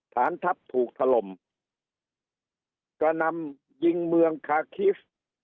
ฐานทัพถูกถล่มกระนำยิงเมืองคาคิส